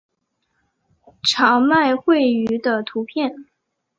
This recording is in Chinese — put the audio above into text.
长麦穗鱼的图片